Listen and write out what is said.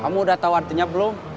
kamu udah tahu artinya belum